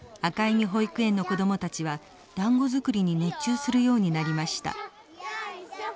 実保育園の子供たちはだんご作りに熱中するようになりました。